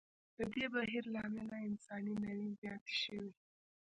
د دې بهیر له امله انساني نوعې زیاتې شوې.